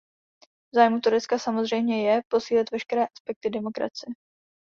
V zájmu Turecka samozřejmě je posílit veškeré aspekty demokracie.